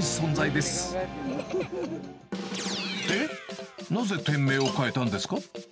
で、なぜ店名を変えたんですか？